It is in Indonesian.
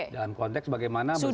dalam konteks bagaimana bersama sama